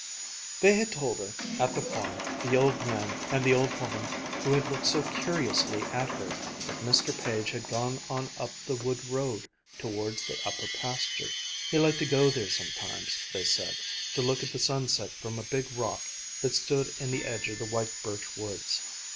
They had told her at the farm, the old man and the old woman who had looked so curiously at her, that Mr. Page had gone on up the wood road towards the upper pasture. He liked to go there sometimes, they said, to look at the sunset from a big rock that stood in the edge of the white birch woods.